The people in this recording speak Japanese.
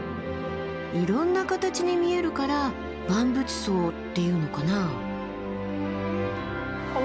いろんな形に見えるから万物相っていうのかな？